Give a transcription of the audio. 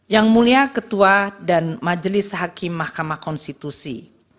yang mulia ketua dan majelis hakim mahkamah konstitusi